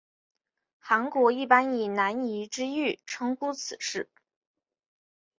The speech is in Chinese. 韩国一般以南怡之狱称呼此事。